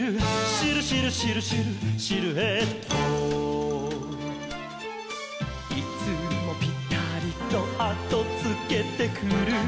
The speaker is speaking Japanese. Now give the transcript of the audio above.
「シルシルシルシルシルエット」「いつもぴたりとあとつけてくる」